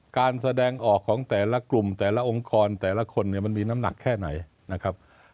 การแสดงออกของแต่ละกลุ่มแต่ละองค์กรแต่ละคนเนี่ยมันมีน้ำหนักแค่ไหนนะครับ